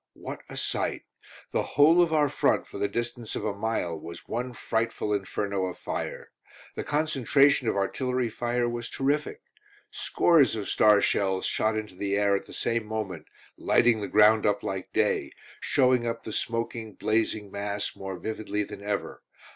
What a sight! The whole of our front for the distance of a mile was one frightful inferno of fire. The concentration of artillery fire was terrific! Scores of star shells shot into the air at the same moment, lighting the ground up like day, showing up the smoking, blazing mass more vividly than ever.